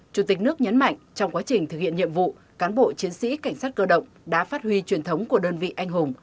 chủ tịch nước nhấn mạnh trong quá trình thực hiện nhiệm vụ cán bộ chiến sĩ cảnh sát cơ động đã phát huy truyền thống của đơn vị anh hùng